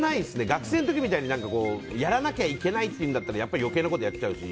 学生の時みたいにやらなきゃいけないっていうんだったらやっぱり余計なことやっちゃうし。